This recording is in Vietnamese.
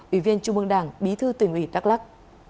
ủy viên trung mương đảng bí thư tỉnh ủy đắk lắc